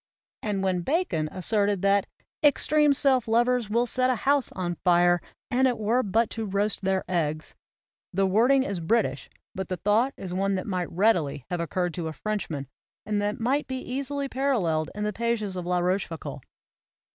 And when Bacon asserted that ' 'extreme self lovers will set a house on fire and it were but to roast their eggs," the wording is British but the thought is one that might readily have occurred to a Frenchman and that might be easily paralleled in the pages of La Roche foucauld.